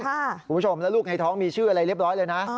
คุณผู้ชมแล้วลูกในท้องมีชื่ออะไรเรียบร้อยเลยนะ